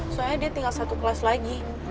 soalnya dia tinggal satu kelas lagi